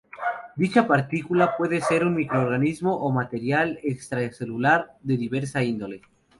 Dicha partícula puede ser un microorganismo o material extracelular de diversa índole.